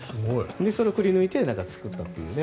それをくりぬいて作ったというね。